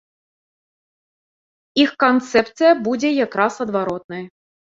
Іх канцэпцыя будзе як раз адваротнай.